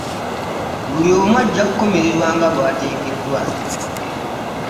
Buli omu ajja kukomekerera nga bwatekeddwa .